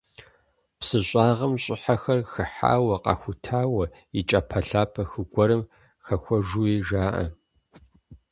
Псы щӏагъым щӏыхьэхэр хыхьауэ, къахутауэ, и кӏапэлъапэ хы гуэрым хэхуэжуи жаӏэ.